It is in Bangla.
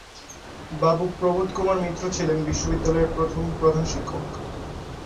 বাবু প্রবোধ কুমার মিত্র ছিলেন বিদ্যালয়ের প্রথম প্রধান শিক্ষক।